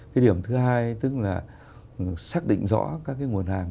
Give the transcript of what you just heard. cái điểm thứ hai tức là xác định rõ các cái nguồn hàng